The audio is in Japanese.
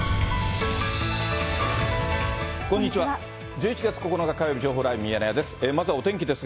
１１月９日火曜日、情報ライブミヤネ屋です。